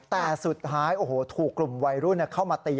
แต่สุดท้ายโอ้โหถูกกลุ่มวัยรุ่นเข้ามาตี